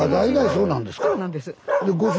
そうなんです。